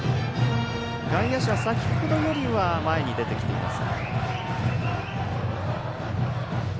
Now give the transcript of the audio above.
外野手は先ほどよりは前に出てきています。